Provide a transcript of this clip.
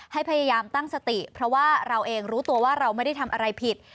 ให้พยายามตั้งสติเพราะว่าเราเองรู้ตัวว่าเราไม่ได้ทำอะไรผิด